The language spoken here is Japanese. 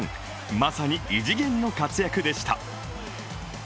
まさに異次元の活躍でした。